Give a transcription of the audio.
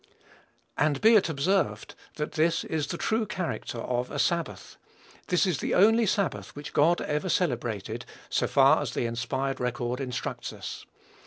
And be it observed, that this is the true character of a sabbath. This is the only sabbath which God ever celebrated, so far as the inspired record instructs us.